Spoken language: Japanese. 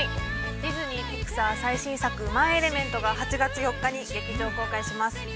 ディズニー・ピクサー最新作「マイ・エレメント」が８月４日に劇場公開します。